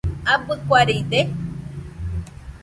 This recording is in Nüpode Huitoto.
¿Abɨ kuaride.?